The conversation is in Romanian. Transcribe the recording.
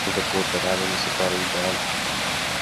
O astfel de cooperare mi se pare ideală.